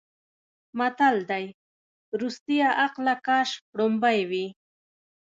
متل دی: ورستیه عقله کاش وړومبی وی.